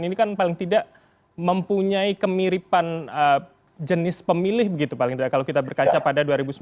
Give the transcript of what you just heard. ini kan paling tidak mempunyai kemiripan jenis pemilih begitu paling tidak kalau kita berkaca pada dua ribu sembilan belas